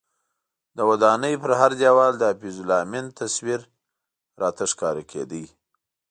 د ودانۍ پر هر دیوال د حفیظ الله امین تصویر راته ښکاره کېده.